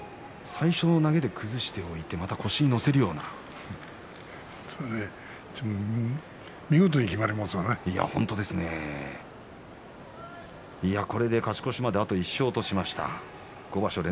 最初の投げで崩しておいて本当に見事に豊昇龍勝ち越しまであと１勝としました。